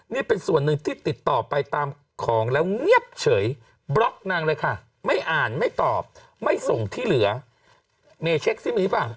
นี่เป็นส่วนหนึ่งที่ติดต่อไปตามของแล้วเงียบเฉยบล็อกนางเลยค่ะไม่อ่านไม่ตอบไม่ส่งที่เหลือเมเช็คซิมีหรือเปล่า